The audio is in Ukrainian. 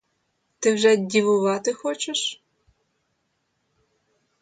Ти вже дівувати хочеш?